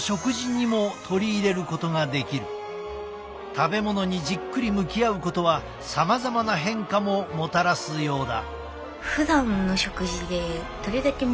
食べ物にじっくり向き合うことはさまざまな変化ももたらすようだ。